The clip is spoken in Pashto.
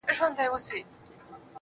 ددې نړۍ وه ښايسته مخلوق ته.